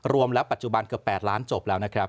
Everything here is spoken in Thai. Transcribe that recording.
รวมแล้วปัจจุบันเกือบ๘ล้านจบแล้วนะครับ